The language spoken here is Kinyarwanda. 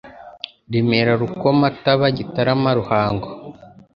Remera Rukoma Taba Gitarama Ruhango